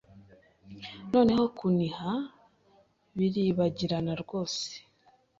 Noneho kuniha biribagirana rwose